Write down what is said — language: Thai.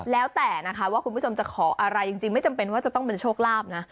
แล้วแต่นะคะว่าคุณผู้ชมจะขออะไรจริงไม่จำเป็นว่าจะต้องเป็นโชคลาภนะ